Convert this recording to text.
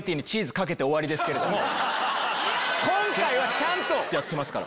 ちゃんとやってますから。